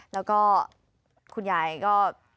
แล้วก็คุณยายก็